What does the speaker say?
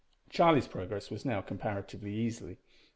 Charlie's progress was now comparatively easy.